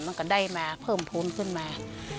มันก็ได้มาเพิ่มภูมิขึ้นมา